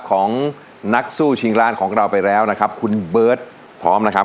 ของนักสู้ชิงร้านของเราไปแล้วนะครับคุณเบิร์ตพร้อมนะครับ